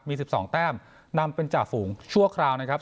มี๑๒แต้มนำเป็นจ่าฝูงชั่วคราวนะครับ